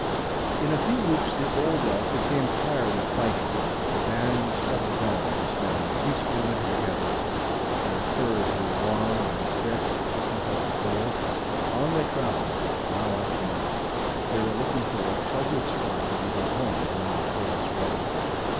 In a few weeks the old elk became tired of fighting. The band settled down to spend a peaceful winter together. Their fur grew long and thick to keep out the cold. On they travelled mile after mile. They were looking for a sheltered spot to be their home during the coldest weather.